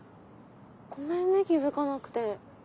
ごめんね気付かなくて。